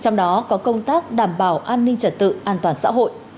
trong đó có công tác đảm bảo an ninh trật tự an toàn xã hội